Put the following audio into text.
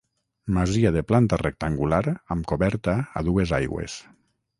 Masia de planta rectangular amb coberta a dues aigües.